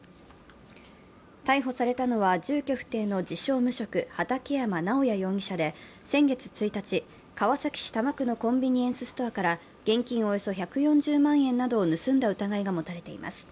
逮捕されたのは住所不定の自称・無職、畠山直也容疑者で、先月１日、川崎市多摩区のコンビニエンスストアから現金およそ１４０万円などを盗んだ疑いが持たれています。